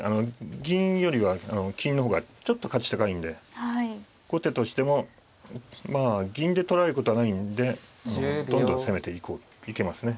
銀よりは金の方がちょっと価値高いんで後手としてもまあ銀で取られることはないんでどんどん攻めていけますね。